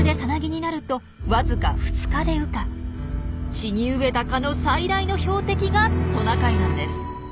血に飢えた蚊の最大の標的がトナカイなんです。